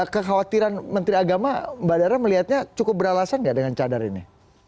kekhawatiran menteri agama mbak dara melihatnya cukup beralasan nggak dengan cadar ini